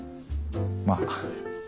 まあ。